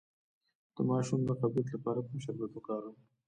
د ماشوم د قبضیت لپاره کوم شربت وکاروم؟